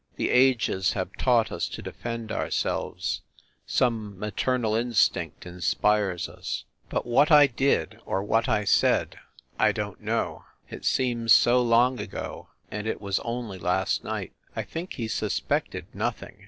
... The ages have taught us to defend ourselves ... some ma ternal instinct inspires us. ... But what I did, or what I said, I don t know. It seems so long ago and it was only last night! I think he suspected nothing.